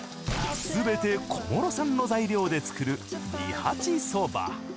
すべて小諸産の材料で作る二八そば。